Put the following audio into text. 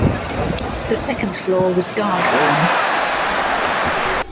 The second floor was guardrooms.